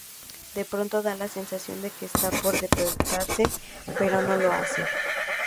De pronto da la sensación de que está por despertarse, pero no lo hace.